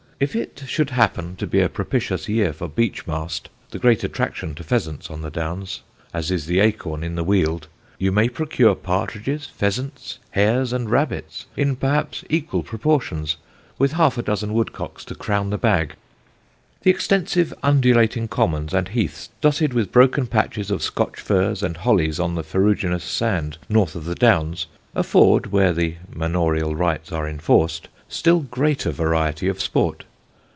If it should happen to be a propitious year for beech mast the great attraction to pheasants on the Downs, as is the acorn in the weald you may procure partridges, pheasants, hares, and rabbits in perhaps equal proportions, with half a dozen woodcocks to crown the bag. [Illustration: East Lavant.] "The extensive, undulating commons and heaths dotted with broken patches of Scotch firs and hollies on the ferruginous sand north of the Downs, afford where the manorial rights are enforced still greater variety of sport.